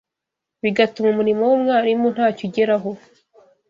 bigatuma umurimo w’umwarimu ntacyo ugeraho